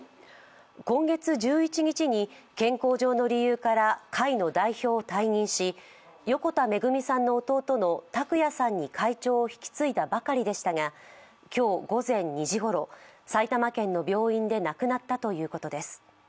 今月１１日に、健康上の理由から、会の代表を退任し横田めぐみさんの弟の拓也さんに会長を引き継いだばかりでしたが今日午前２時ごろ、埼玉県の病院で亡くなったということです。